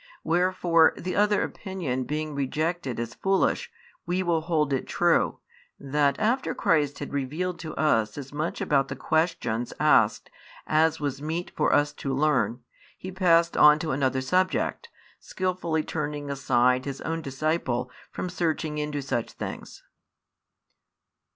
Wherefore, the other opinion being rejected as foolish, we will hold it true, that after Christ had revealed to us as much about the questions asked as was meet for us to learn, He passed on to another subject, skilfully turning aside His own disciple from searching into such things.